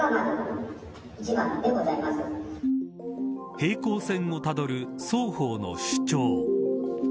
平行線をたどる双方の主張。